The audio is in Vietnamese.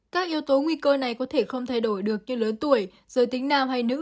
các yếu tố nguy cơ này có thể không thay đổi được như lớn tuổi giới tính nam hay nữ